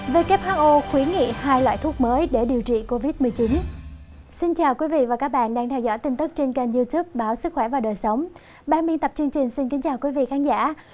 vkho khuyến nghị hai loại thuốc mới để điều trị covid một mươi chín